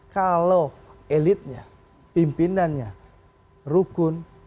kalau elitnya pimpinannya rukun